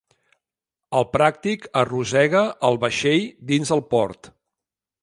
El pràctic arrossega el vaixell dins el port.